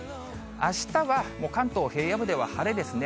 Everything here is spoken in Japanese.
あしたはもう関東平野部では晴れですね。